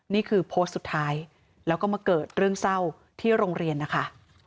นี่คือโพสต์สุดท้ายแล้วก็มาเกิดเรื่องเศร้าที่โรงเรียนนะคะ